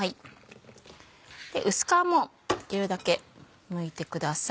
薄皮もできるだけむいてください。